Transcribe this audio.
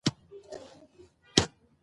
افغانان پخوا هم د علم خاوندان وو.